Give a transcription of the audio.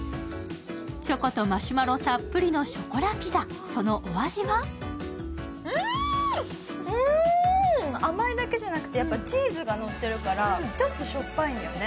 チョコとマシュマロたっぷりのショコラピザ、そのお味は甘いだけじゃなくて、チーズがのってるからちょっとしょっぱいんだよね。